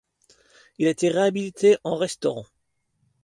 Il a été réhabilité en restaurant.